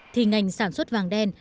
thì ngành sản xuất vàng đen